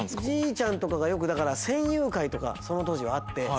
じいちゃんとかがよくだから戦友会とかその当時はあって。